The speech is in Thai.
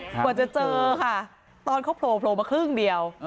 กว่าจะเจอค่ะตอนเขาโผล่มาครึ่งเดียว